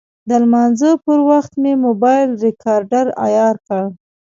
د لمانځه پر وخت مې موبایل ریکاډر عیار کړ.